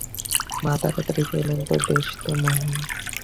মা তাড়াতাড়ি কহিলেন, তা বেশ তো মহিন।